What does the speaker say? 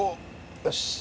よし！